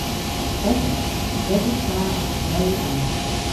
Eses. Yth eses ta owth oberi ena.